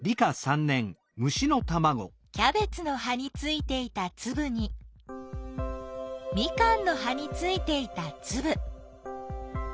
キャベツの葉についていたつぶにミカンの葉についていたつぶ。